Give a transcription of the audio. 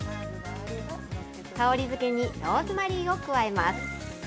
香りづけにローズマリーを加えます。